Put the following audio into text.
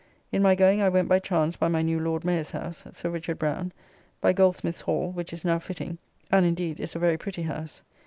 In my going I went by chance by my new Lord Mayor's house (Sir Richard Browne), by Goldsmith's Hall, which is now fitting, and indeed is a very pretty house.